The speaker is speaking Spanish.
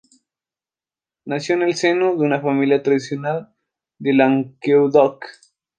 Nació en el seno de una familia tradicional de Languedoc.